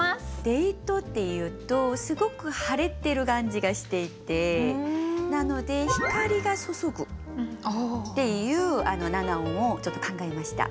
デートっていうとすごく晴れてる感じがしていてなので「光がそそぐ」っていう７音をちょっと考えました。